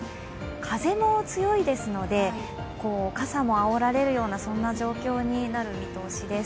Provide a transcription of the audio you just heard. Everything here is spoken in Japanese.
風も強いですので、傘もあおられるような状況になる見通しです。